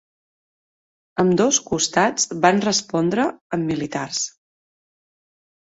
Ambdós costats van respondre amb militars.